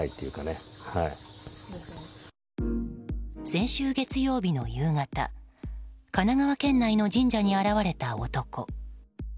先週月曜日の夕方神奈川県内の神社に現れた男。